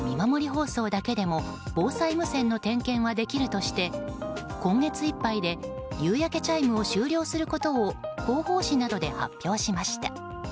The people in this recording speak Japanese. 放送だけでも防災無線の点検はできるとして今月いっぱいで夕焼けチャイムを終了することを広報誌などで発表しました。